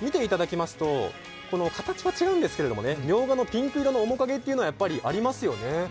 見ていただきますと、形は違うんですけれども、ミョウガのピンク色の面影というのはありますよね。